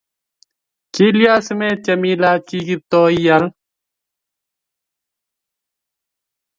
kilyan si maityem ilach kiKiptooo ial